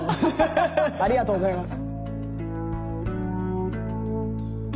ありがとうございます。